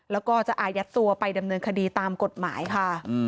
แล้วก็จะอายัดตัวไปดำเนินคดีตามกฎหมายค่ะ